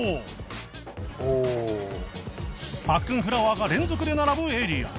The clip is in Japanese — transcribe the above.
パックンフラワーが連続で並ぶエリア